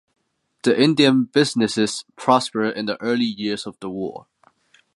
The Indian businesses prospered in the early years of the War.